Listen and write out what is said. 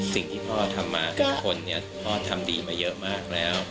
สิ่งที่พ่อทำมาทุกคนเนี่ยพ่อทำดีมาเยอะมากแล้ว